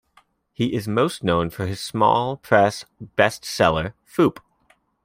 He is most known for his small press bestseller Foop!